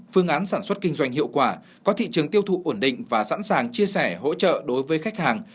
phương án sản xuất kinh doanh hiệu quả có thị trường tiêu thụ ổn định và sẵn sàng chia sẻ hỗ trợ đối với khách hàng